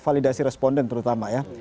validasi responden terutama ya